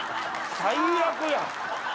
最悪やん！